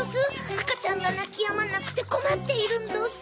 あかちゃんがなきやまなくてこまっているんどす。